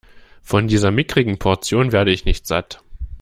Von dieser mickrigen Portion werde ich nicht satt.